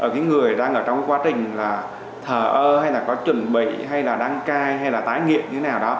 cái người đang ở trong quá trình là thờ ơ hay là có chuẩn bị hay là đăng cai hay là tái nghiện như thế nào đó